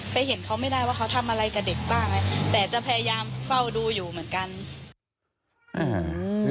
เห็นเขาไม่ได้ว่าเขาทำอะไรกับเด็กบ้างอะไรแต่จะพยายามเฝ้าดูอยู่เหมือนกัน